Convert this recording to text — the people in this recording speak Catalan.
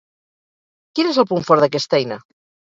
Quin és el punt fort d'aquesta eina?